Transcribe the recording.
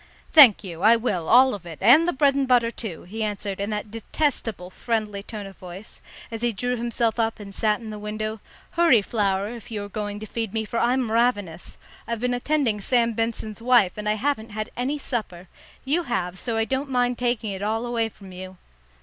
"Thank you, I will, all of it, and the bread and butter, too," he answered, in that detestable friendly tone of voice, as he drew himself up and sat in the window. "Hurry, Flower, if you are going to feed me, for I'm ravenous. I've been attending Sam Benson's wife, and I haven't had any supper. You have; so I don't mind taking it all away from you."